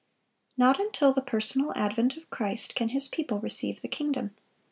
Not until the personal advent of Christ can His people receive the kingdom.